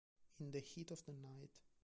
In the Heat of the Night